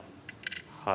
はい。